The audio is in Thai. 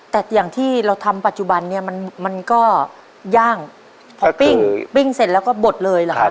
แต่อย่างที่เราทำปัจจุบันเนี่ยมันมันก็ย่างพอปิ้งปิ้งเสร็จแล้วก็บดเลยเหรอครับ